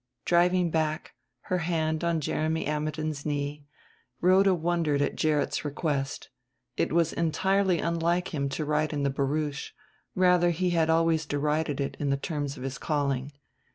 Driving back, her hand on Jeremy Ammidon's knee, Rhoda wondered at Gerrit's request. It was entirely unlike him to ride in the barouche; rather he had always derided it in the terms of his calling.